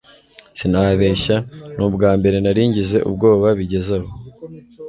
sinababeshya ni ubwambere naringize ubwoba bigeze aho